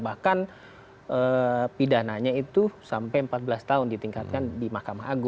bahkan pidananya itu sampai empat belas tahun ditingkatkan di mahkamah agung